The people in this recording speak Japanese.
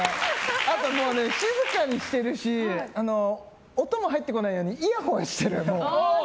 あとね、静かにしてるし音も入ってこないようにイヤホンしてる。